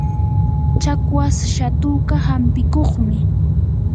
chakwas shatuka hampikuqmi.